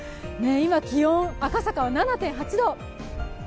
今気温、赤坂は７．８度。